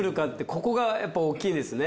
ここがやっぱり大きいですね。